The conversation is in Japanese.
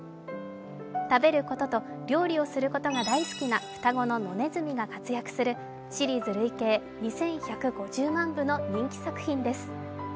食べることと料理をすることが大好きな双子の野ねずみが活躍するシリーズ累計２１５０万部の人気作品です。